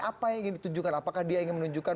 apa yang ingin ditunjukkan apakah dia ingin menunjukkan